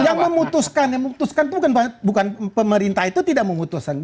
yang memutuskan itu bukan pemerintah itu tidak memutuskan